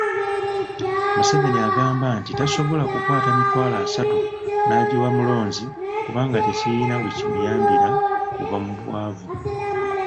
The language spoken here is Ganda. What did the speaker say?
Museveni agamba nti tasobola kukwata mitwalo asatu n'agiwa mulonzi kubanga tekirina we kimuyambira kuva mu bwavu.